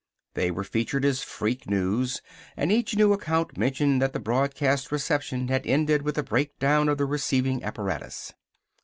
They were featured as freak news and each new account mentioned that the broadcast reception had ended with a break down of the receiving apparatus.